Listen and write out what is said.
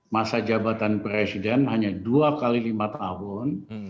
masa jabatan presiden hanya dua x lima tahun